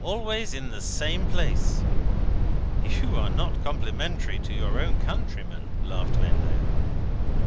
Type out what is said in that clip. Always the same place." "You are not complimentary to your countrymen," laughed Vendale.